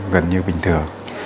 gần như bình thường